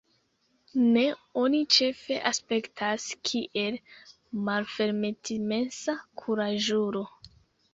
Ne, oni ĉefe aspektas kiel malfermitmensa kuraĝulo.